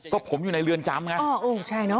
ก็ผมอยู่ในเรือนจำไง